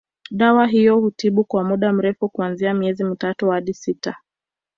Dawa hiyo hutibu kwa muda mrefu kuanzia miezi mitatu hadi sita